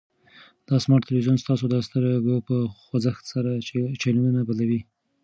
دا سمارټ تلویزیون ستاسو د سترګو په خوځښت سره چینلونه بدلوي.